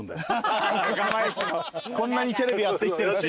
こんなにテレビやってきてるし。